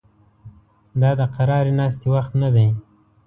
دا د قرارې ناستې وخت نه دی